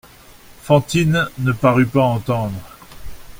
Fantine ne parut pas entendre.